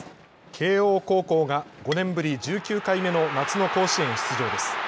慶応高校が５年ぶり１９回目の夏の甲子園出場です。